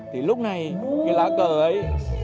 thì lúc này cái lá cờ ấy